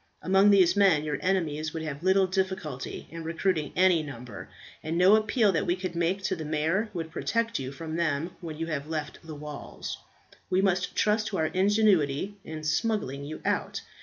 Among these men your enemies would have little difficulty in recruiting any number, and no appeal that we could make to the mayor would protect you from them when you have left the walls. We must trust to our ingenuity in smuggling you out.